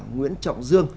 nguyễn trọng dương